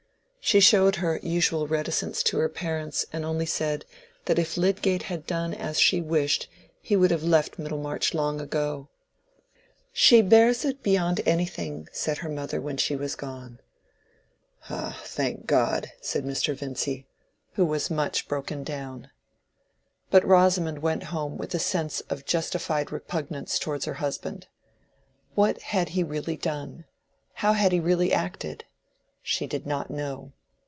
She showed her usual reticence to her parents, and only said, that if Lydgate had done as she wished he would have left Middlemarch long ago. "She bears it beyond anything," said her mother when she was gone. "Ah, thank God!" said Mr. Vincy, who was much broken down. But Rosamond went home with a sense of justified repugnance towards her husband. What had he really done—how had he really acted? She did not know.